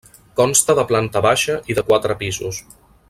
Consta de planta baixa i de quatre pisos.